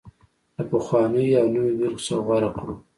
له پخوانيو او نویو بېلګو څخه غوره کړو